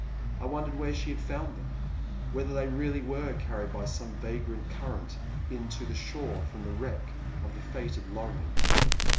I wondered where she had found them, — whether they really were carried by some vagrant current in to the shore from the wreck of the fated Lorieni.